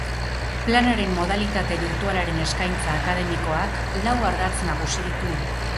Planaren modalitate birtualaren eskaintza akademikoak lau ardatz nagusi ditu.